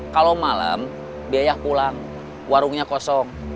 kalau malam biaya pulang warungnya kosong